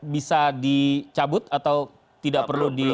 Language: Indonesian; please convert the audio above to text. bisa dicabut atau tidak perlu di